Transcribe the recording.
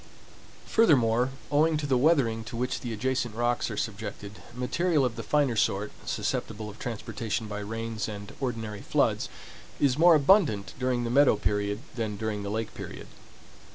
Furthermore, owing to the weathering to which the adjacent rocks are subjected, material of the finer sort, susceptible of transportation by rains and ordinary floods, is more abundant during the meadow period than during the lake period.